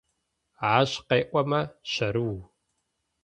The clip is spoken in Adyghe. Ащ къеӏомэ, щэрыу!